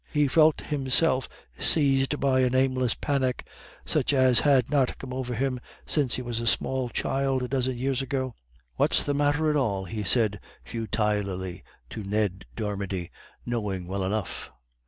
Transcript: He felt himself seized by a nameless panic, such as had not come over him since he was a small child a dozen years ago. "What's the matter at all?" he said futilely to Ned Dermody, knowing well enough.